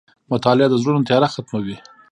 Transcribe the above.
• مطالعه د زړونو تیاره ختموي.